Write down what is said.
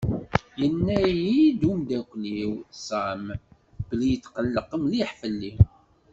Yenna-yi-d umdakel-iw Sam belli yetqelleq mliḥ fell-i.